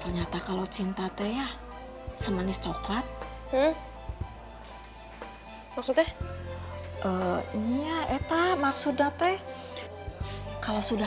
ternyata kalau cinta teh ya semanis coklat maksudnya iya eta maksudnya teh kalau sudah